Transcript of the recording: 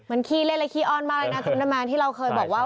มันขี้เล่นและขี้อ้อนมากเลยนะตุ๊บน้ำมันที่เราเคยบอกว่า